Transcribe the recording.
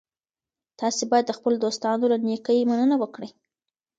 تاسي باید د خپلو دوستانو له نېکۍ مننه وکړئ.